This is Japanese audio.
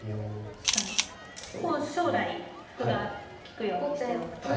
確かにこう将来歩が利くようにしておくとか。